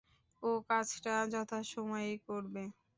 ও কাজটা যথাসময়েই করবে।